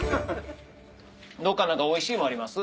どっかおいしいものあります？